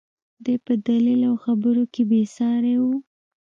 دى په دليل او خبرو کښې بې سارى و.